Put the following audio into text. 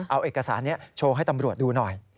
เอาเอกสารนี้โชว์ให้ตำรวจดูหน่อย